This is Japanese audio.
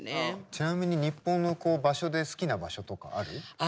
ちなみに日本の場所で好きな場所とかある？